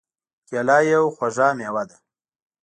کېله یو خوږ مېوه ده.